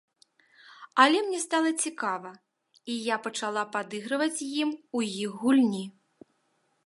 Але мне стала цікава, і я пачала падыгрываць ім у іх гульні.